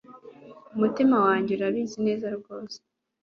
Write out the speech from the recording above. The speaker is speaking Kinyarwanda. umutima wanjye urabizi neza rwose